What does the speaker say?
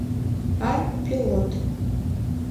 Ар пилот.